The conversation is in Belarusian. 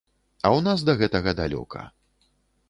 А ў нас да гэтага далёка.